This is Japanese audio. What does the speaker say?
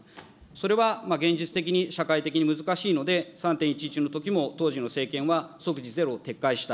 それは現実的に、社会的に難しいので、３・１１のときも当時の政権は即時ゼロを撤回した。